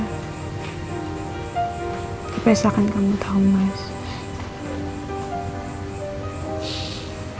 apa yang saya kasihkan kamu tahu mas